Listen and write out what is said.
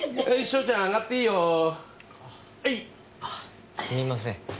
あすみません。